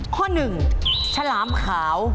ข้อ๑ฉลามขาว